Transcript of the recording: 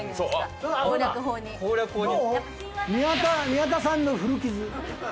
「宮田さんの古傷」。